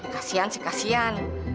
kasian sih kasian